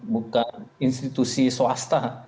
bukan institusi swasta